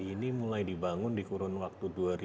ini mulai dibangun di kurun waktu dua ribu